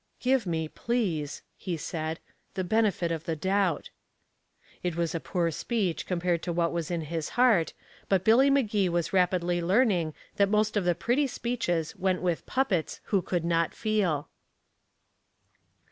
"Give me, please," he said, "the benefit of the doubt." It was a poor speech compared to what was in his heart, but Billy Magee was rapidly learning that most of the pretty speeches went with puppets who could not feel.